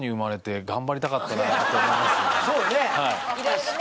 そうだね！